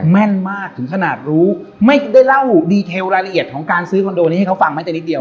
แม่นมากถึงขนาดรู้ไม่ได้เล่าดีเทลรายละเอียดของการซื้อคอนโดนี้ให้เขาฟังแม้แต่นิดเดียว